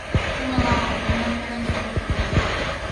É unha mágoa porque aínda me quedan estas dúas por vender.